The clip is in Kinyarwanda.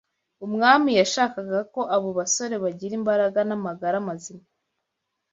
Umwami yashakaga ko abo basore bagira imbaraga n’amagara mazima